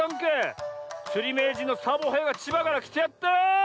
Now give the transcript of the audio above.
つりめいじんのサボへいがちばからきてやった。